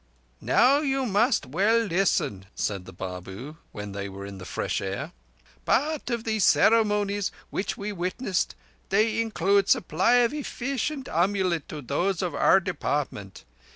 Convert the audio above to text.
"Now you must well listen," said the Babu when they were in the fresh air. "Part of these ceremonies which we witnessed they include supply of effeecient amulet to those of our Department.